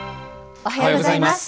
おはようございます。